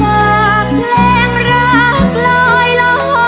หากเพลงรักลอยหล่อ